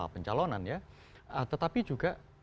pencalonan ya tetapi juga